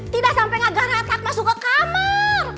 tidak sampai nggagar otak masuk ke kamar